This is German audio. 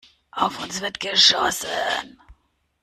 Auf uns wird geschossen!